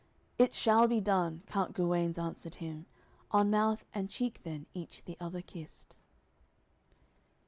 "It shall be done." Count Guenes answered him; On mouth and cheek then each the other kissed.